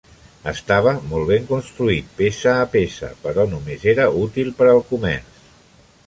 Estava molt ben construït, peça a peça, però només era útil per al comerç.